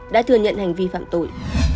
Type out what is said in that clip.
đã thừa nhận hành vi phạm tội